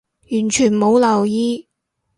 完全冇留意